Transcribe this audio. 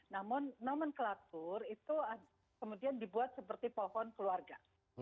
namun nomenklatur itu kemudian dibuat seperti pohon keluarga